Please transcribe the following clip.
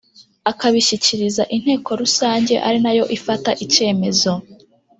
akabishyikiriza Inteko Rusange ari nayo ifata icyemezo